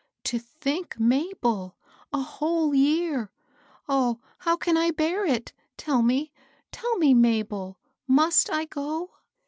To think, Mabel, a whole year! Oh, how can I bear it? Tell me — tell me, Mabel, — must I go?"